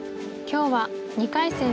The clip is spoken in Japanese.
今日は２回戦